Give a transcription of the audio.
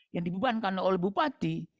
yang dibebankan oleh bupati